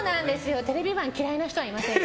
テレビマンに嫌いな人はいません。